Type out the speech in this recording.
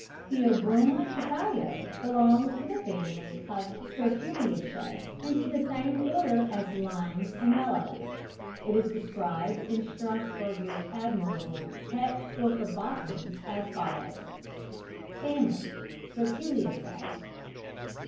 _ Theobroma Cacao belongs to the family of the Sterculiaceae, and to the same order as the Limes and Mallows. It is described in Strasburger's admirable Text Book of Botany as follows: "Family. _Sterculiaceae.